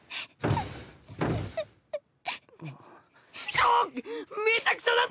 ちょっ！